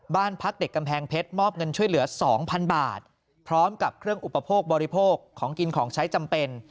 บ้านพักเด็กกำแพงเพชรมอบเงินช่วยเหลือ๒๐๐๐บาทพร้อมกับเครื่องอุปโภคบริโภคของกินของใช้จำเป็น